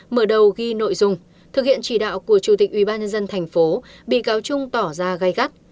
mở đầu ghi nội dung thực hiện chỉ đạo của chủ tịch ubnd tp bị cáo trung tỏ ra gai gắt